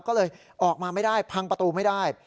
ก็เลยออกมาไม่ได้พังประตูไม่ได้